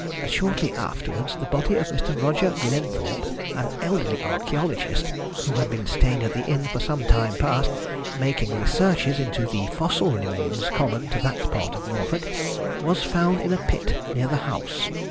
Shortly afterwards the body of Mr. Roger Glenthorpe, an elderly archæologist, who had been staying at the inn for some time past making researches into the fossil remains common to that part of Norfolk, was found in a pit near the house.